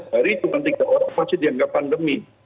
hari itu kan tiga orang masih dianggap pandemi